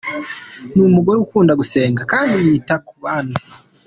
Ni umugore ukunda gusenga kandi yita ku bandi’’.